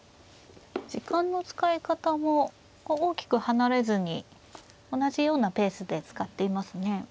時間の使い方も大きく離れずに同じようなペースで使っていますね。